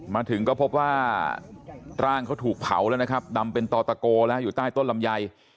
มาถึงก็พบว่าร่างเขาถูกเผาแล้วนะครับดำเป็นต่อตะโกแล้วอยู่ใต้ต้นลำไย